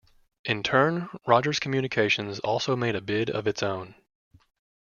In turn, Rogers Communications also made a bid of its own.